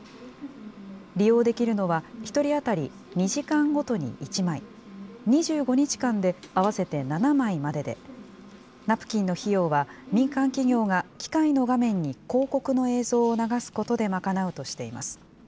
利用できるのは、１人当たり２時間ごとに１枚、２５日間で合わせて７枚までで、ナプキンの費用は、民間企業が機械の画面に広告の映像を流すことで賄うとしています。